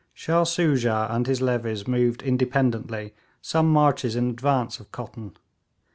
Shah Soojah and his levies moved independently some marches in advance of Cotton.